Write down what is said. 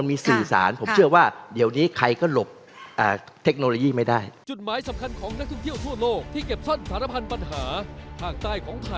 และเหลือสีพรของการที่มันจงต่อไป